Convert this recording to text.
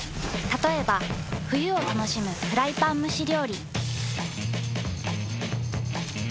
たとえば冬を楽しむフライパン蒸し料理。